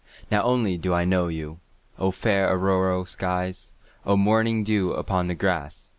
Now only do I know you!O fair auroral skies! O morning dew upon the grass!